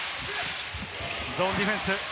ゾーンディフェンス。